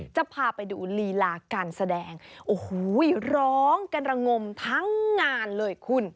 จะพาไปดูลีลาการแสดงโอ้โหร้องกันระงมทั้งงานเลยคุณ